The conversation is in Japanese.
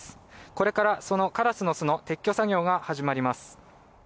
これから、そのカラスの巣の撤去作業が始まります。